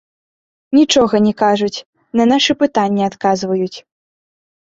Нічога не кажуць, на нашы пытанні адказваюць.